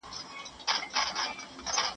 اسلامي اصول به بدل نه سي.